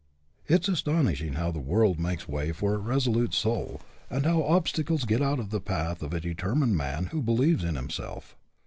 It is aston ishing how the world makes way for a resolute soul, and how obstacles get out of the path of a determined man who believes in himself.